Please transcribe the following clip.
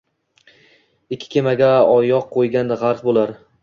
Ikki kemaga oyoq qo’ygan g'arq bo'lar.